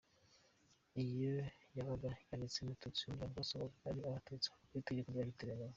Iyo yabaga yanditsemo Tutsi, umuryango wose wabaga ari Abatutsi nk’uko itegeko ryabitegenyaga.